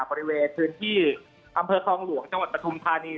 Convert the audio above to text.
บริเวณพื้นที่อำเภอคลองหลวงจังหวัดปฐุมธานี